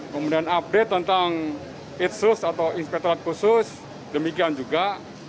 kemudian update tentang itsus atau inspektorat khusus demikian juga